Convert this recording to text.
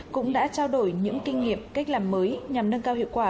cũng đã trao đổi những kinh nghiệm cách làm mới nhằm nâng cao hiệu quả